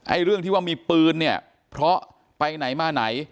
เรื่องที่ว่ามีปืนเนี่ยเพราะไปไหนมาไหน